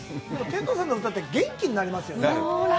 天童さんの歌って元気になりますよね。